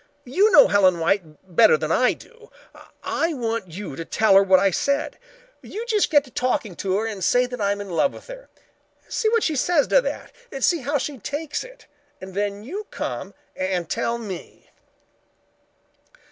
"You know Helen White better than I do. I want you to tell her what I said. You just get to talking to her and say that I'm in love with her. See what she says to that. See how she takes it, and then you come and tell me."